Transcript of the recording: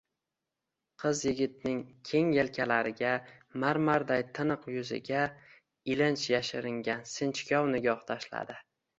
Qiz yigitning keng yelkalariga, marmarday tiniq yuziga ilinj yashiringan sinchkov nigoh tashladi.